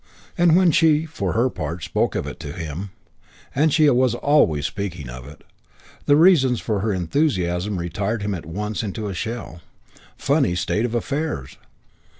And when she, for her part, spoke of it to him and she was always speaking of it the reasons for her enthusiasm retired him at once into a shell. Funny state of affairs!